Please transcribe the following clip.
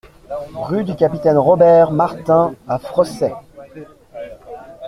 Rue du Capitaine Robert Martin à Frossay